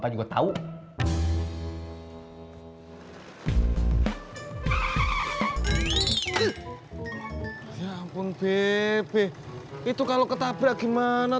biar jalannya enggak ke sorean iya bapak juga tahu ya ampun bebek itu kalau ketabrak gimana